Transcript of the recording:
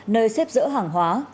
nơi xếp dỡ hàng hóa